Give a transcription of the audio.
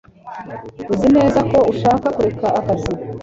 Uzi neza ko ushaka kureka akazi?